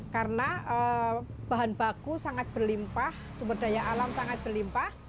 karena bahan baku sangat berlimpah sumber daya alam sangat berlimpah